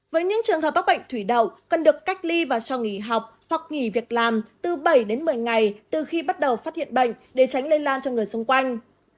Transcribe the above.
với những trường hợp bác bệnh thủy đậu cần được cách ly và cho nghỉ học hoặc nghỉ việc làm từ bảy đến một mươi ngày từ khi bắt đầu phát hiện bệnh để tránh lây lan cho người xung quanh